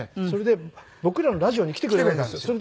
それで僕らのラジオに来てくれたんですよ。